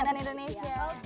saya muling beban hari ini